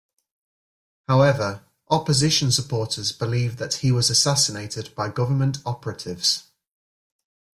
However, opposition supporters believe that he was assassinated by government operatives.